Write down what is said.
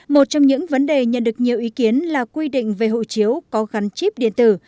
một trong những vấn đề nhận được nhiều ý kiến là quy định về hộ chiếu có gắn chip điện tử